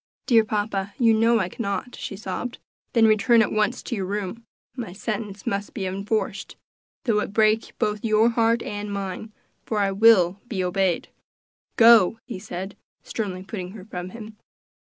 "Dear papa, you know I cannot," she sobbed. "Then return at once to your room; my sentence must be enforced, though it break both your heart and mine, for I will be obeyed. Go!" he said, sternly putting her from him.